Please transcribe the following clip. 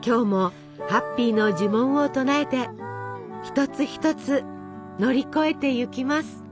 きょうも「ハッピー」の呪文を唱えて一つ一つ乗り越えていきます。